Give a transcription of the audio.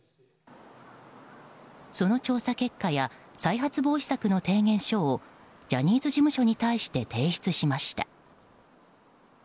その調査結果や再発防止策の提言書をジャニーズ事務所に対して提出しました。